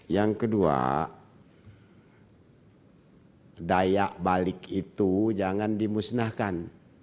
yang kedua daya balik itu jangan dimusnahkan